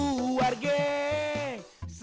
mak mau liat dahulu